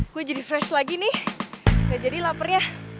gue jadi fresh lagi nih nggak jadi lapernya